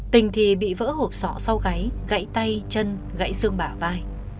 tình thì bị vỡ hộp sọ sau gáy gãy tay chân gãy xương bả vai